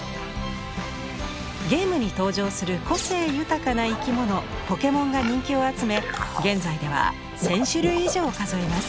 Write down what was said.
ゲームに登場する個性豊かな生き物ポケモンが人気を集め現在では１，０００種類以上を数えます。